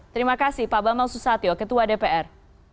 terima kasih pak bambang susatyo ketua dpr